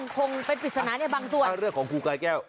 ก็แน่ว่าเขาติดคุณหรือเปล่าครับ